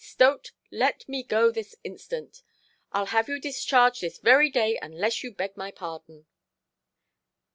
"Stote, let me go this instant. Iʼll have you discharged this very day unless you beg my pardon".